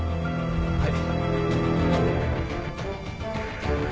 はい。